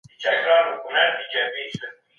ولې تپلي افکار په سالمه ټولنه کي ځای نه لري؟